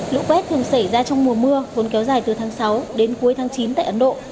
lũ quét thường xảy ra trong mùa mưa vốn kéo dài từ tháng sáu đến cuối tháng chín tại ấn độ